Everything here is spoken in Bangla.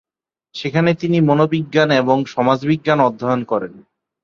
সেখানে তিনি মনোবিজ্ঞান এবং সমাজবিজ্ঞান অধ্যয়ন করেন।